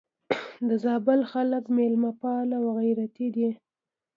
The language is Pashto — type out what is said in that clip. د زابل خلک مېلمه پال او غيرتي دي.